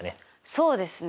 そうですね。